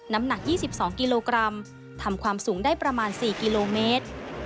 น้ำหนัก๒๒กิโลกรัมทำความสูงได้ประมาณ๔กิโลเมตร